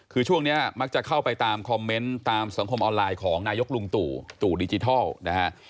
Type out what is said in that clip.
คือช่วงนี้มักจะเข้าไปตามคอมเมนต์ตามสังคมออนไลน์ของนายกลุงตู่ตู่ดิจิทัลนะฮะ